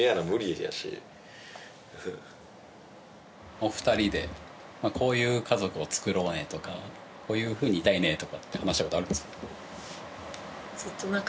お二人でこういう家族をつくろうねとかこういうふうにいたいねとかって話したことあるんすか？